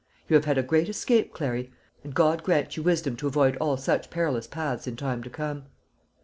You have had a great escape, Clary; and God grant you wisdom to avoid all such perilous paths in time to come.